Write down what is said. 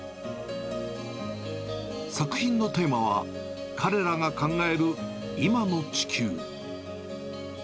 作品のテーマは、彼らが考える今の地球。